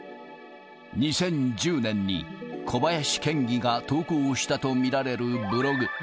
２０１０年に小林県議が投稿したと見られるブログ。